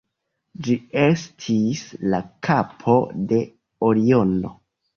Ĝi estis la kapo de Oriono.